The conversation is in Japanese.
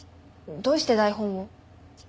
どうして台本を？